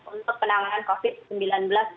untuk penanganan covid sembilan belas